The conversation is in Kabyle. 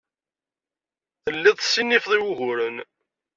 Telliḍ tessinifeḍ i wuguren.